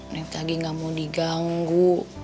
nek lagi tidak mau diganggu